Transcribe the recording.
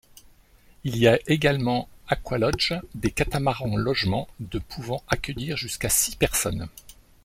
Il y a également Aqualodge, des catamarans-logements de pouvant accueillir jusqu'à six personnes.